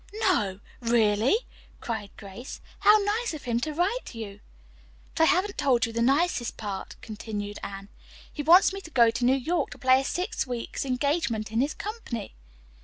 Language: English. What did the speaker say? "No! Really?" cried Grace. "How nice of him to write to you." "But I haven't told you the nicest part," continued Anne. "He wants me to go to New York to play a six weeks' engagement in his company."